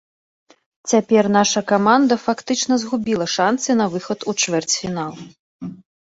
Цяпер наша каманда фактычна згубіла шанцы на выхад у чвэрцьфінал.